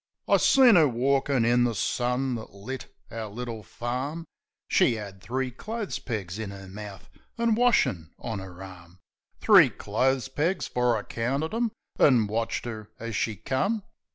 I seen 'er walkin' in the sun that lit our little farm. She 'ad three clothes pegs in 'er mouth, an' washin' on 'er arm Three clothes pegs, fer I counted 'em, an' watched 'er as she come.